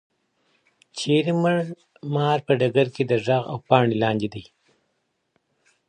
چیري مړ مار په ډګر کي د ږغ او پاڼي لاندې دی؟